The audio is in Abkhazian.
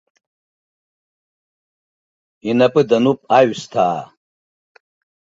Инапы дануп аҩысҭаа!